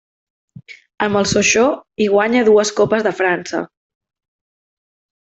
Amb el Sochaux hi guanya dues Copes de França.